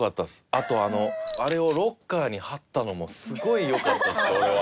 あとあれをロッカーに貼ったのもすごいよかったです俺は。